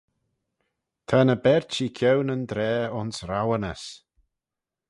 Ta ny berçhee ceau nyn draa ayns rouanys.